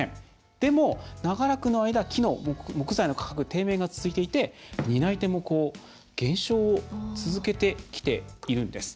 でも長らくの間、木材の価格低迷が続いていて、担い手も減少を続けてきているんです。